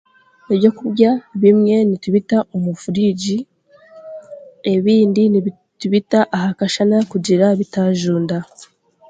Eby'okurya bimwe nitubita omu furigi ebindi nitubita aha kashana kugira bitajunda.